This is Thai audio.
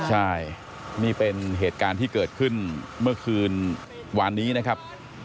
ใช่นี่เป็นเหตุการณ์ที่เกิดขึ้นเมื่อคืนวานนี้นะครับ